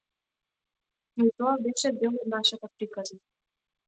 Но и тоа беше дел од нашата приказна.